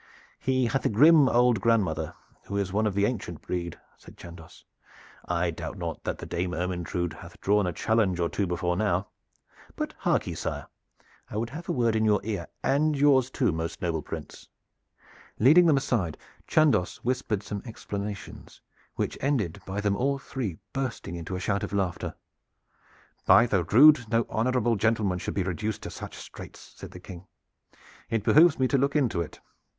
"He hath a grim old grandmother who is one of the ancient breed," said Chandos. "I doubt not that the Dame Ermyntrude hath drawn a challenge or two before now. But hark ye, sire, I would have a word in your ear and yours too, most noble Prince." Leading them aside, Chandos whispered some explanations, which ended by them all three bursting into a shout of laughter. "By the rood! no honorable gentleman should be reduced to such straits," said the King. "It behooves me to look to it.